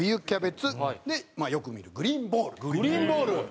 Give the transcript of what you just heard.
キャベツでまあよく見るグリーンボール。